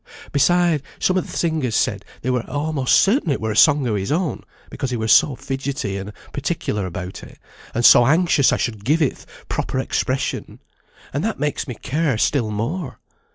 Beside, some o' th' singers said they were a'most certain it were a song o' his own, because he were so fidgetty and particular about it, and so anxious I should give it th' proper expression. And that makes me care still more.